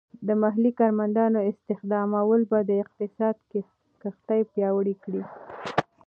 د محلی کارمندانو استخدامول به د اقتصاد کښتۍ پیاوړې کړي.